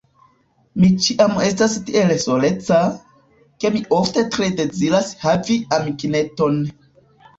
Mi ĉiam estas tiel soleca, ke mi ofte tre deziras havi amikineton.